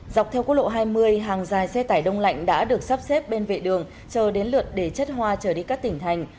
dọc theo cốt lộ hai mươi hàng dài xe tải đông lạnh đã được sắp xếp bên vệ đường chờ đến lượt để chất hoa trở đi các tỉnh thành